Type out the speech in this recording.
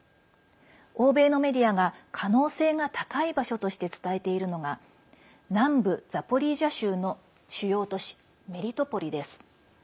欧米のメディアが可能性が高い場所として伝えているのが南部ザポリージャ州の主要都市メリトポリです。